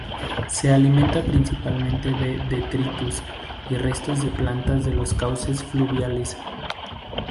Se alimenta principalmente de detritus y restos de plantas de los cauces fluviales.